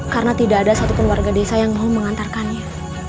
karena tidak ada satu keluarga desa yang mau mengantarkannya